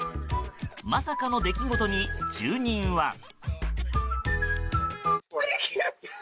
まさかの出来事に住人は。